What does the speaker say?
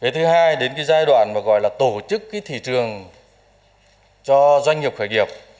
thứ hai đến giai đoạn mà gọi là tổ chức thị trường cho doanh nghiệp khởi nghiệp